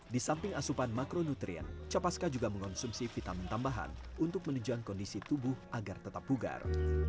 di samping asupan makronutrien capaska juga mengonsumsi vitamin tambahan untuk menunjukkan kondisi tubuh agar tetap bugar